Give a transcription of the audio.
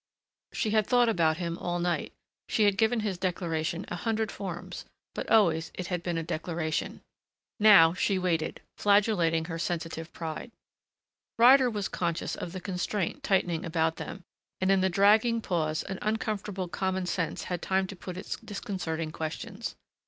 She had thought about him all night. She had given his declaration a hundred forms but always it had been a declaration. Now she waited, flagellating her sensitive pride. Ryder was conscious of the constraint tightening about them and in the dragging pause an uncomfortable common sense had time to put its disconcerting questions.